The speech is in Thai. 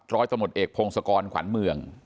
ร้อยตำรวจเอกพงศกรขวัญเมือง